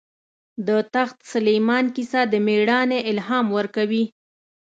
د تخت سلیمان کیسه د مېړانې الهام ورکوي.